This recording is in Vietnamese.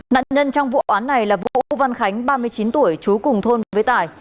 nạn nhân trong vụ án này là vũ văn khánh ba mươi chín tuổi chú cùng thôn với tài